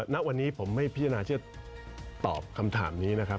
ณวันนี้ผมไม่พิจารณาที่จะตอบคำถามนี้นะครับ